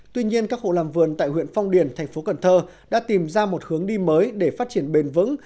tuy nhiên các hộ làm vườn tại huyện phong điền thành phố cần thơ đã tìm ra một hướng đi mới để phát triển bền vững